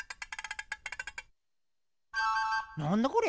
なんだこれ？